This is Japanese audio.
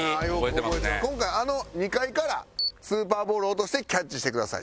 今回はあの２階からスーパーボールを落としてキャッチしてください。